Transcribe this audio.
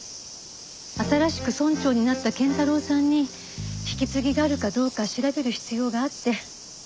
新しく村長になった謙太郎さんに引き継ぎがあるかどうか調べる必要があって。